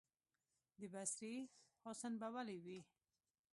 د بصرې حسن به ولي وي،